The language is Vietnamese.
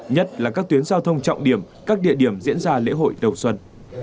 nhất là các tuyến giao thông trọng điểm các địa điểm diễn ra lễ hội đầu xuân